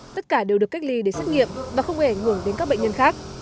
tất cả đều được cách ly để xét nghiệm và không hề ảnh hưởng đến các bệnh nhân khác